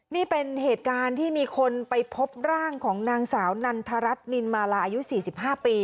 นี่เป็นเหตุการณ์ที่มีคนไปพบร่างของนางสาวนันทรัศนินมาลาอายุ๔๕ปี